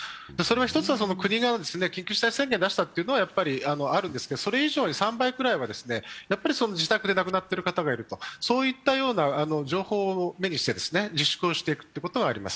一つは国が緊急事態宣言を出したのがあるんですけれども、それ以上に３倍くらいは、自宅で亡くなっている人がいる、そういったような情報を目にして自粛をしていくということはあります。